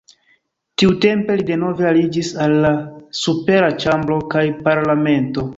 Tiutempe li denove aliĝis al la supera ĉambro kaj parlamento.